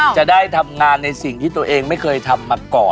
จะได้ทำงานในสิ่งที่ตัวเองไม่เคยทำมาก่อน